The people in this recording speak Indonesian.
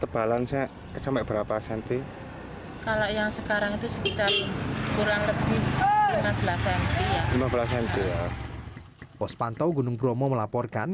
pospantok gunung bromo melaporkan